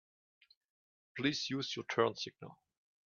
Please use your turn signal.